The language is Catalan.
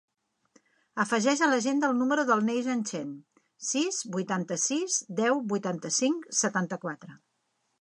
Afegeix a l'agenda el número del Neizan Chen: sis, vuitanta-sis, deu, vuitanta-cinc, setanta-quatre.